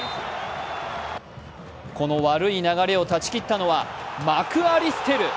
この悪い流れを断ち切ったのはマク・アリステル。